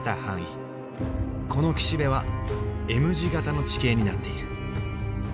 この岸辺はＭ字形の地形になっている。